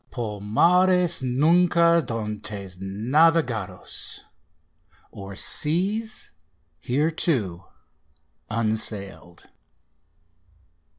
Por mares nunca d'antes navegados! (O'er seas hereto unsailed.)